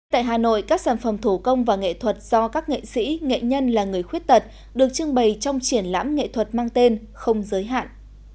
tại hà nội các sản phẩm thủ công và nghệ thuật do các nghệ sĩ nghệ nhân là người khuyết tật được trưng bày trong triển lãm nghệ thuật mang tên không giới hạn